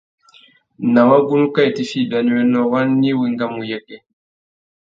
Ná wagunú kā itifiya ibianéwénô, wani wá engamú uyêkê? .